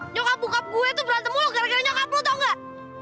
nyokap bokap gue tuh berantem mulu gara gara nyokap lo tau gak